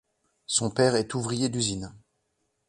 Son père est ouvrier d'usine.